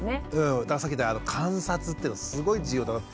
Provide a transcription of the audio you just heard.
だからさっき言った観察っていうのはすごい重要だなって。